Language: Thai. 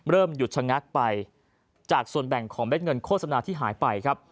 หยุดชะงักไปจากส่วนแบ่งของเม็ดเงินโฆษณาที่หายไปครับ